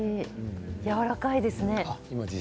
やわらかいですね。